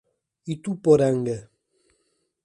Ituporanga